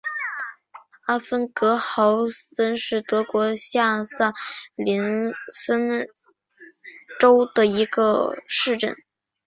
阿芬格豪森是德国下萨克森州的一个市镇。